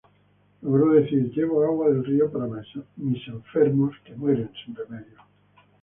Logró decir: "Llevo agua del río para mis enfermos que mueren sin remedio".